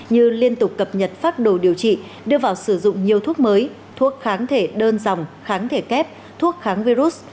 như liên tục cập nhật phát đồ điều trị đưa vào sử dụng nhiều thuốc mới thuốc kháng thể đơn dòng kháng thể kép thuốc kháng virus